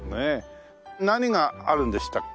何があるんでしたっけ？